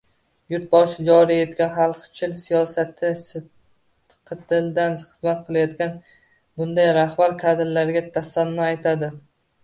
Yurtboshi joriy etgan xalqchil siyosatga sidqidildan xizmat qilayotgan bunday rahbar kadrlarga tasanno aytadi...